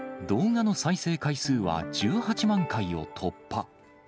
動画の再生回数は、１８万回を突破。